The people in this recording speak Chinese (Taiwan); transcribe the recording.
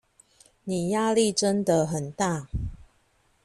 你壓力真的很大